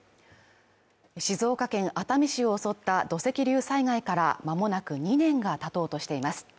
静岡県熱海市を襲った土石流災害からまもなく２年が経とうとしています。